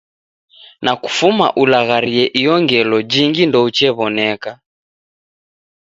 Na kufuma ulagharie iyo ngelo jingi ndouchew'oneka.